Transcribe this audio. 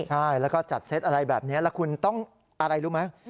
ใช่แล้วก็จัดเซตอะไรแบบนี้แล้วคุณต้องอะไรรู้ไหม